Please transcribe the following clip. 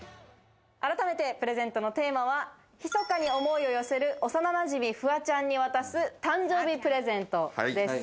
改めてプレゼントのテーマは、ひそかに思いを寄せる、幼なじみ・フワちゃんに渡す誕生日プレゼントです。